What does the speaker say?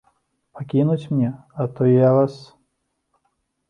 Пакінуць мне, а то я вас!